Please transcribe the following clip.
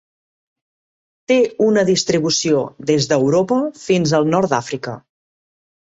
Té una distribució des d'Europa fins al nord d'Àfrica.